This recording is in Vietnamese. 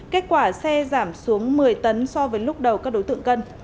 kết quả xe giảm xuống một mươi tấn so với lúc đầu các đối tượng cân